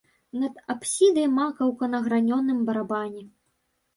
Над апсідай макаўка на гранёным барабане.